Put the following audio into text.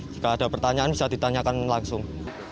jika ada pertanyaan bisa ditanyakan langsung